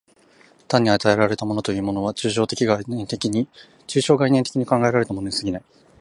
単に与えられたものというものは、抽象概念的に考えられたものに過ぎない。